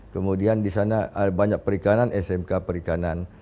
kemudian di sana banyak perikanan smk perikanan